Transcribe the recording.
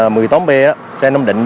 một mươi tám m xe nam định